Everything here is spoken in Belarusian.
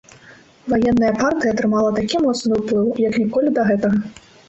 Ваенная партыя атрымала такі моцны ўплыў, як ніколі да гэтага.